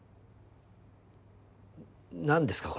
何ですか？